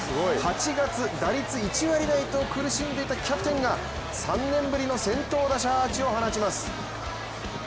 ８月、打率１割台と苦しんでいたキャプテンが３年ぶりの先頭打者アーチを放ちます。